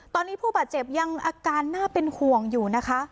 ตอนนี้ผู้บาดเจ็บยังอาการน่าเป็นห่วงอยู่นะคะ